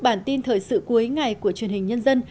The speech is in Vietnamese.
bản tin thời sự cuối ngày của truyền hình nhân dân